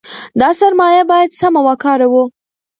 دا سرمایه باید سمه وکاروو.